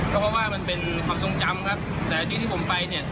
เพราะว่ามันเป็นความทรงจำครับแต่ที่ที่ผมไปเนี่ย